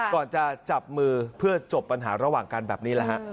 ก่อนจะจับมือเพื่อจบปัญหาระหว่างกันแบบนี้แหละฮะ